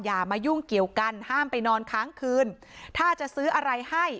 อย่ามายุ่งเกี่ยวกันห้ามไปนอนค้างคืนถ้าจะซื้ออะไรให้